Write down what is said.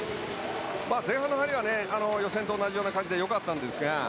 前半の入りは予選と同じような感じで良かったんですが。